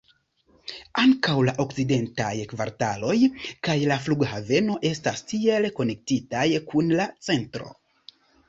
Ankaŭ la okcidentaj kvartaloj kaj la flughaveno estas tiel konektitaj kun la centro.